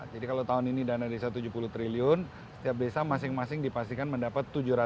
jadi kalau tahun ini dana desa rp tujuh puluh triliun setiap desa masing masing dipastikan mendapat rp tujuh ratus juta